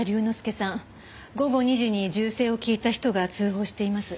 午後２時に銃声を聞いた人が通報しています。